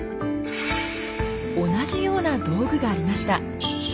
同じような道具がありました。